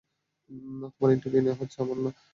তোমার ইন্টারভিউ নেয়া হচ্ছে আমার না।